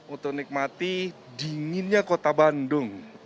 untuk nikmati dinginnya kota bandung